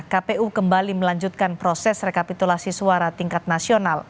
kpu kembali melanjutkan proses rekapitulasi suara tingkat nasional